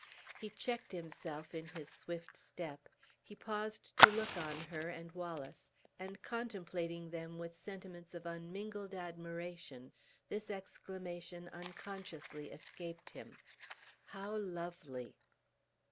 He checked himself in his swift step he paused to look on her and Wallace, and contemplating them with sentiments of unmingled admiration, this exclamation unconsciously escaped him: "How lovely!"